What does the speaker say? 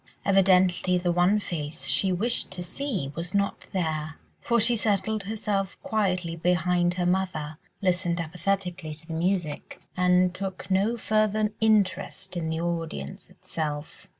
Evidently the one face she wished to see was not there, for she settled herself down quietly behind her mother, listened apathetically to the music, and took no further interest in the audience itself.